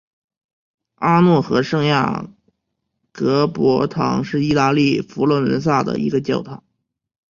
阿诺河圣雅各伯堂是意大利佛罗伦萨一个教堂。